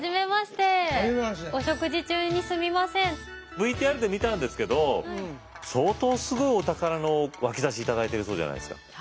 ＶＴＲで見たんですけど相当すごいお宝の脇差頂いてるそうじゃないですか？